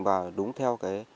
và đúng theo cái